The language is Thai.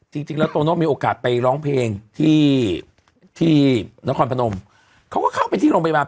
จริงแล้วโตโน่มีโอกาสไปร้องเพลงที่ที่นครพนมเขาก็เข้าไปที่โรงพยาบาล